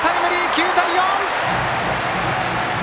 ９対４！